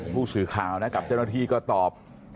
ผู้สื่อข่าวนะครับจุดนาทีก็ตอบ